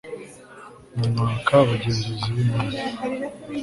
mwaka abagenzuzi b imari